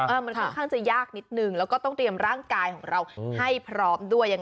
มันค่อนข้างจะยากนิดนึงแล้วก็ต้องเตรียมร่างกายของเราให้พร้อมด้วยยังไง